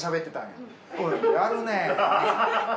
やるねぇ！